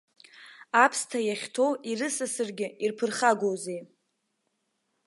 Аԥсҭа иахьҭоу ирысасыргьы ирԥырхагоузеи!